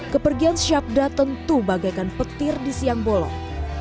kepergian syabda tentu bagaikan petir di siang bolong